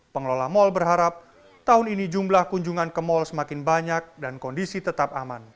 pengelola mal berharap tahun ini jumlah kunjungan ke mal semakin banyak dan kondisi tetap aman